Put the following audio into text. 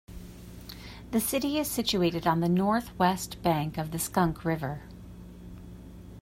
The city is situated on the northwest bank of the Skunk River.